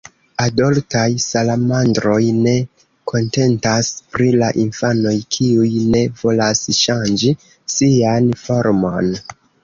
Adoltaj salamandroj ne kontentas pri la infanoj, kiuj ne volas ŝanĝi sian formon.